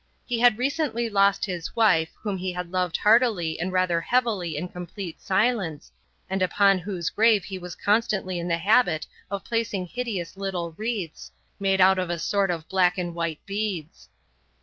He had recently lost his wife, whom he had loved heartily and rather heavily in complete silence, and upon whose grave he was constantly in the habit of placing hideous little wreaths, made out of a sort of black and white beads.